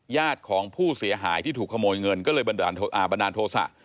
ของผู้เสียหายที่ถูกขโมยเงินก็เลยบันดาลโทษะ